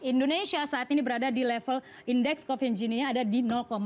indonesia saat ini berada di level indeks covid gini ada di empat